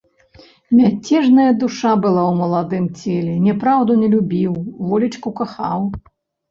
Мяцежная душа была ў маладым целе, няпраўду не любіў, волечку кахаў.